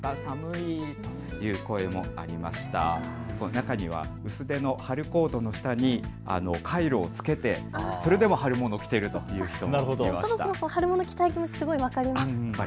中には薄手の春コートの下にカイロを着けてそれでも春物着ているという人いました。